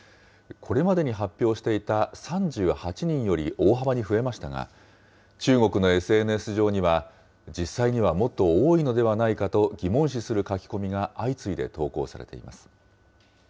これまでに発表していた３８人より大幅に増えましたが、中国のＳＮＳ上には、実際にはもっと多いのではないかと疑問視する書き込みが相次いで投稿されています。